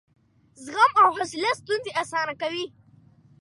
زغم او حوصله ستونزې اسانه کوي.